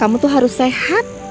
anda harus sehat